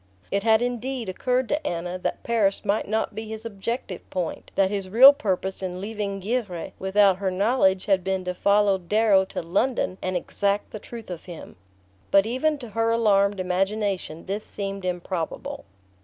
It had indeed occurred to Anna that Paris might not be his objective point: that his real purpose in leaving Givre without her knowledge had been to follow Darrow to London and exact the truth of him. But even to her alarmed imagination this seemed improbable.